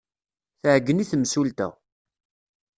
Tɛeyyen i temsulta.